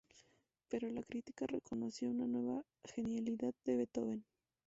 Pero la crítica reconoció una nueva genialidad de Beethoven.